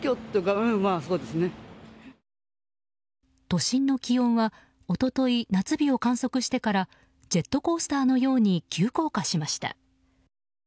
都心の気温は一昨日、夏日を観測してからジェットコースターのように急降下しました。